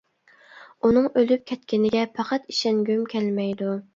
ئۇنىڭ ئۆلۈپ كەتكىنىگە پەقەت ئىشەنگۈم كەلمەيدۇ.